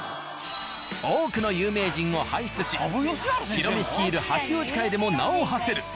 多くの有名人を輩出しヒロミ率いる八王子会でも名をはせる。